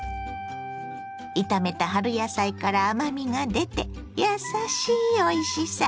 炒めた春野菜から甘みが出てやさしいおいしさ。